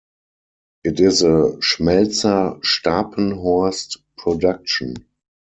It is a Schmelzer-Stapenhorst production.